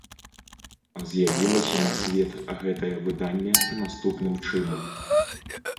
А з'явілася на свет гэтае выданне наступным чынам.